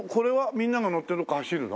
みんなが乗ってどこか走るの？